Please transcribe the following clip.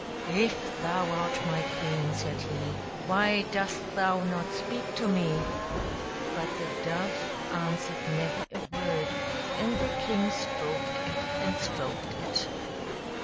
" If thou art my queen," said he, " why dost thou not speak to me?" But the dove answered never a word, and the king stroked it and stroked it.